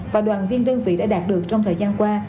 và đoàn viên đơn vị đã đạt được trong thời gian qua